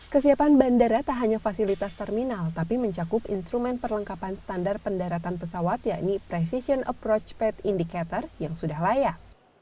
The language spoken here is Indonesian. kesiapan bandara tak hanya fasilitas terminal tapi mencakup instrumen perlengkapan standar pendaratan pesawat yakni precision approach pad indicator yang sudah layak